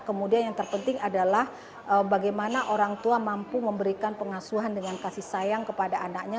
kemudian yang terpenting adalah bagaimana orang tua mampu memberikan pengasuhan dengan kasih sayang kepada anaknya